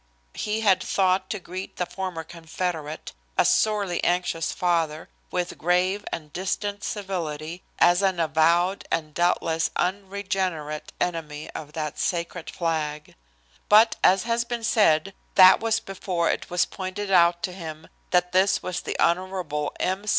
He had thought to greet the former Confederate, a sorely anxious father, with grave and distant civility, as an avowed and doubtless unregenerate enemy of that sacred flag; but, as has been said, that was before it was pointed out to him that this was the Honorable M.